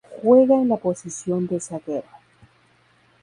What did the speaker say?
Juega en la posición de zaguero.